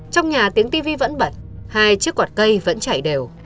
trong nhà tiếng tivi vẫn bật hai chiếc quạt cây vẫn chảy đều